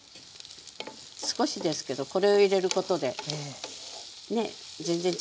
少しですけどこれを入れることでね全然違ってきますからね。